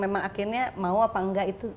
memang akhirnya mau apa enggak itu